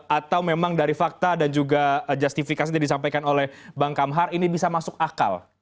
atau memang dari fakta dan juga justifikasi yang disampaikan oleh bang kamhar ini bisa masuk akal